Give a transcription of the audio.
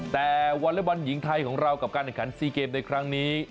แต่วอเล็กบอลหญิงไทยของเรากับการแข่งขันซีเกมในครั้งนี้